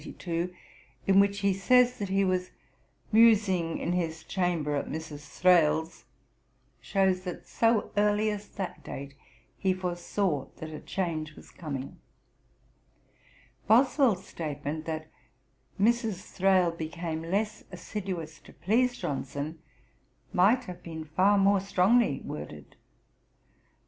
145), in which he says that he was 'musing in his chamber at Mrs. Thrale's,' shews that so early as that date he foresaw that a change was coming. Boswell's statement that 'Mrs. Thrale became less assiduous to please Johnson,' might have been far more strongly worded. See Dr. Burney's Memoirs, ii.